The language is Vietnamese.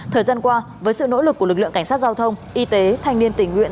thời gian qua với sự nỗ lực của lực lượng cảnh sát giao thông y tế thanh niên tình nguyện